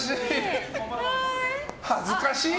恥ずかしい。